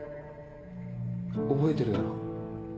覚えてるだろ？